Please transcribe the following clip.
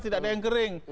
tidak ada yang kering